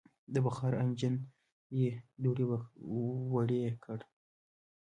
د بخار انجن یې دړې وړې کړ.